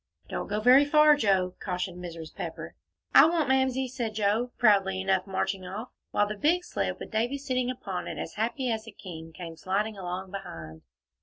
"Don't go very far, Joe," cautioned Mrs. Pepper. "I won't, Mamsie," said Joe, proudly enough, marching off, while the big sled, with Davie sitting upon it as happy as a king, came sliding along behind.